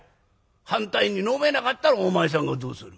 反対に飲めなかったらお前さんがどうする？」。